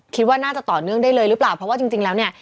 คิดว่าน่าจะต่อเนื่องได้เลยหรือเปล่าเพราะว่าจริงแล้วเนี่ย